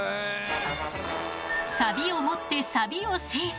サビをもってサビを制す。